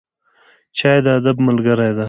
چای د ادب ملګری دی.